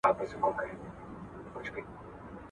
نه په ژوند کي به په موړ سې نه به وتړې بارونه